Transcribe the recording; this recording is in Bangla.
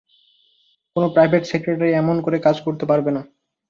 কোনো প্রাইভেট সেক্রেটারি এমন করে কাজ করতে পারবে না।